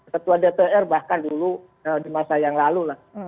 ketua dpr bahkan dulu di masa yang lalu lah